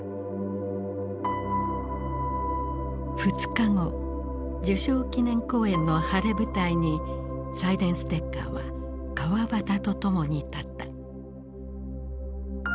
２日後受賞記念講演の晴れ舞台にサイデンステッカーは川端と共に立った。